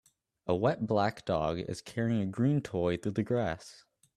A wet black dog is carrying a green toy through the grass